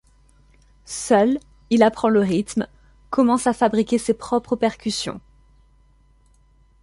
Seul, il apprend le rythme, commence à fabriquer ses propres percussions.